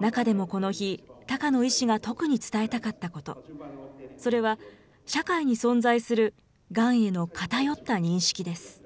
中でもこの日、高野医師が特に伝えたかったこと、それは社会に存在するがんへの偏った認識です。